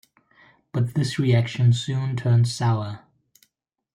But this reaction soon turned sour.